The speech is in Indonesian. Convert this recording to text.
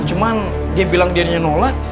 cuman dia bilang dia nolak